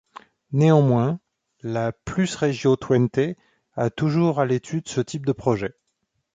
Néanmoins, la Plusregio Twente a toujours à l'étude ce type de projet.